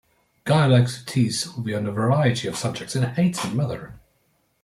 Guy likes to tease Sylvie on a variety of subjects, and hates her mother.